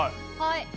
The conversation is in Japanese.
はい。